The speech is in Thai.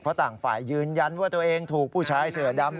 เพราะต่างฝ่ายยืนยันว่าตัวเองถูกผู้ชายเสือดำ